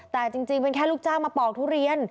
แต่จริงเป็นแค่ลูกจ้างมาปอกทุเรียน